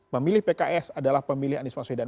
memilih pks adalah pemilih anies maswedan